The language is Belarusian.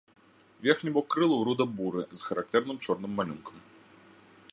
Верхні бок крылаў руда-буры з характэрным чорным малюнкам.